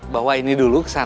bawa ini dulu ke sana